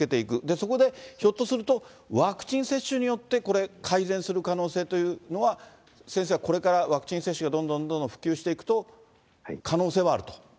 そこで、ひょっとするとワクチン接種によって、これ、改善する可能性というのは、先生はこれからワクチン接種がどんどんどんどん普及していくと、可能性はあると。